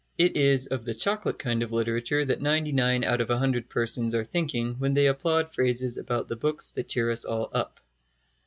It is of the chocolate kind of literature that ninety nine out of a hundred persons are thinking when they applaud phrases about the books that cheer us all up.